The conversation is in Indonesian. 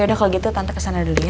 yaudah kalo gitu tante kesana dulu ya